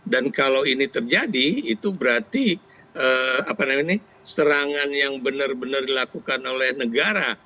dan kalau ini terjadi itu berarti apa namanya ini serangan yang benar benar dilakukan oleh negara